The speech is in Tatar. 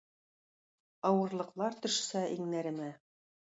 Авырлыклар төшсә иңнәремә